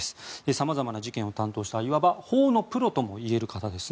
さまざまな事件を担当したいわば法のプロともいえる方です。